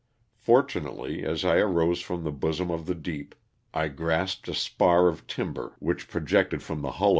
Fortunately, as I arose from the bosom of the deep, I grasped a spar of timber which projected from the hull 284 LOSS OF THE SULTANA.